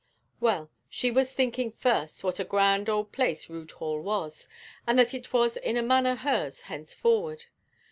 Well, she was thinking first what a grand old place Rood Hall was, and that it was in a manner hers henceforward.